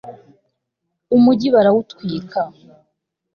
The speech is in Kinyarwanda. umugi barawutwika